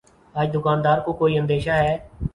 آج دکان دار کو کوئی اندیشہ ہے